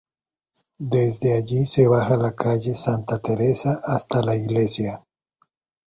Desde allí se baja la calle Santa Teresa hasta la Iglesia.